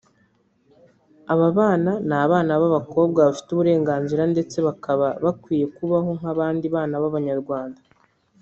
Aba bana ni abana b’abakobwa bafite uburenganzira ndetse baba bakwiye kubaho nk’abandi bana b’Abanyarwanda